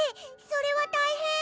それは大変！